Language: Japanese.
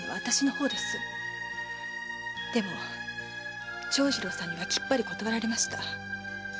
でも長次郎さんにはきっぱり断られました。